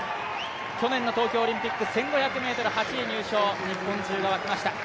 去年の東京オリンピック１５００ｍ、８位入賞、日本中が沸きました。